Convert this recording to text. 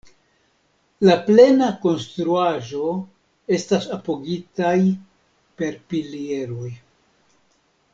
La plena konstruaĵo estas apogitaj per pilieroj.